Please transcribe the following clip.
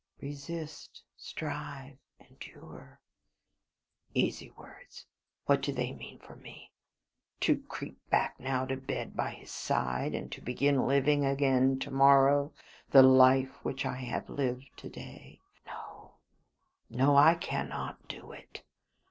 "Resist, strive, endure." Easy words. What do they mean for me? To creep back now to bed by his side, and to begin living again to morrow the life which I have lived to day? No, no; I cannot do it.